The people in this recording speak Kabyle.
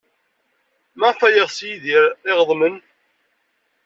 Maɣef ay yeɣs Yidir iɣeḍmen?